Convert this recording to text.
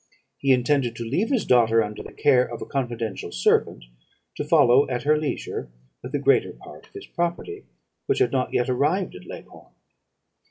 He intended to leave his daughter under the care of a confidential servant, to follow at her leisure with the greater part of his property, which had not yet arrived at Leghorn.